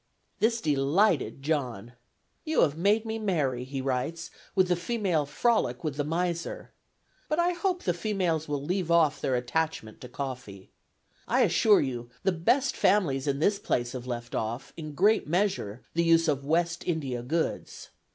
This delighted John. "You have made me merry," he writes, "with the female frolic with the miser. But I hope the females will leave off their attachment to coffee. I assure you the best families in this place have left off, in a great measure, the use of West India goods.